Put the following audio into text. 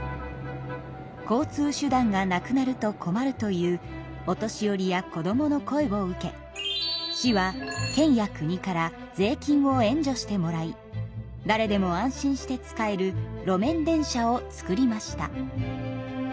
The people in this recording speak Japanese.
交通手段がなくなると困るというお年寄りや子どもの声を受け市は県や国から税金を援助してもらいだれでも安心して使える路面電車を作りました。